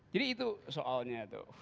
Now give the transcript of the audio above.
jadi itu soalnya tuh